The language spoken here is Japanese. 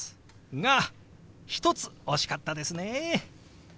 が一つ惜しかったですね。